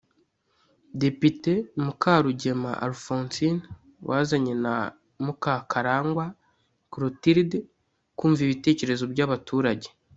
Depite Mukarugema Alphonsine wazanye na Mukakarangwa Clotilde kumva ibitekerezo by’abaturage